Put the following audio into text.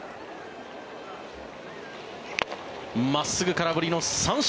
真っすぐ、空振りの三振